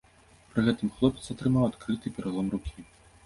Пры гэтым хлопец атрымаў адкрыты пералом рукі.